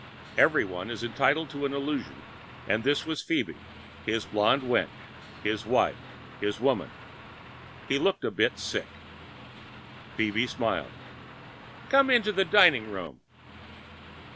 Everyone is entitled to an illusion and this was Phoebe, his blonde wench, his wife, his woman. He looked a bit sick. She smiled. "Come into the dining room."